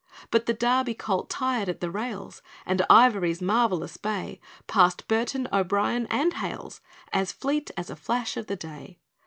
But the Derby colt tired at the rails, And Ivory's marvellous bay Passed Burton, O'Brien, and Hales, As fleet as a flash of the day.